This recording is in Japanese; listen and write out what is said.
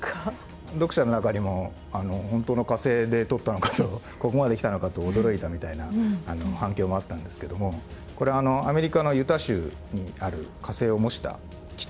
読者の中にも本当の火星で撮ったのかとここまできたのかと驚いたみたいな反響もあったんですけどもこれアメリカのユタ州にある火星を模した基地があってですね